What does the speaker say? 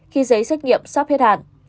khi giấy xét nghiệm sắp hết hạn